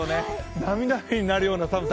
涙目になるような寒さ。